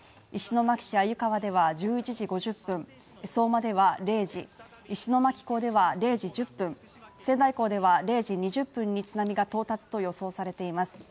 石巻市鮎川では１１時５０分相馬では０時、石巻港では０時１０分、仙台港では０時２０分に津波が到達と予想されています